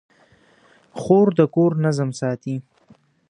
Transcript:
خور د کور نظم ساتي.